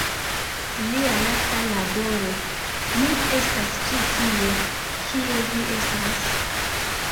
Lia lasta laboro "Mi estas ĉi tie- Kie vi estas?